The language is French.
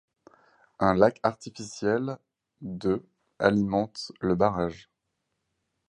Un lac artificiel de alimente le barrage.